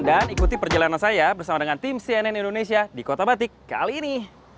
dan ikuti perjalanan saya bersama dengan tim cnn indonesia di kota batik kali ini